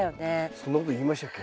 そんなこと言いましたっけ。